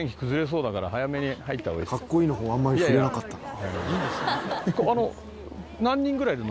「かっこいいの方あんまり触れなかったな」